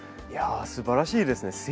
いやすばらしいですね。